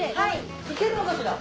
行けるのかしら？